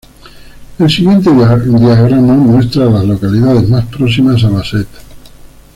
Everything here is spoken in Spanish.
El siguiente diagrama muestra a las localidades más próximas a Bassett.